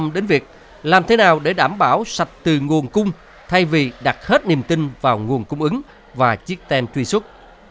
tâm đến việc làm thế nào để đảm bảo sạch từ nguồn cung thay vì đặt hết niềm tin vào nguồn cung ứng và chiếc ten truy xuất